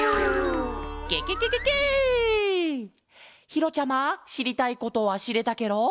ひろちゃましりたいことはしれたケロ？